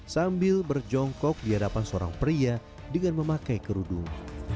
sambil berjongkok di hadapan seorang pria dengan memakai kerudung